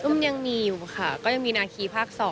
มันยังมีค่ะก็ยังมีนาคีภาค๒